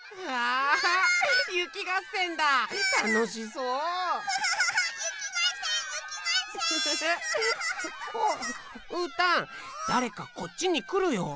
うーたんだれかこっちにくるよ。